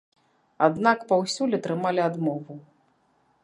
Аднак паўсюль атрымалі адмову.